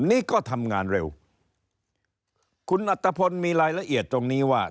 นี่ก็ทำงานเร็วคุณอัตภพลมีรายละเอียดตรงนี้ว่า